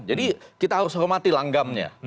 jadi kita harus hormati langgamnya